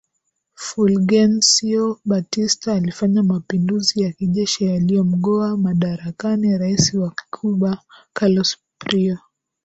Fulgencio Batista alifanya mapinduzi ya kijeshi yaliyomgoa madarakani rais wa Cuba Carlos Prío